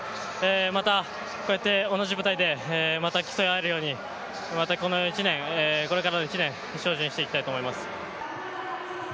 またこうやって同じ舞台で競い合えるように、またこれからの１年、精進していきたいと思います。